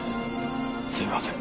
すいません。